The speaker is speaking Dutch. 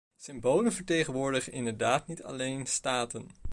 Symbolen vertegenwoordigen inderdaad niet alleen staten.